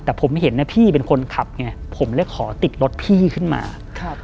แต่ผมเห็นนะพี่เป็นคนขับไงผมเลยขอติดรถพี่ขึ้นมา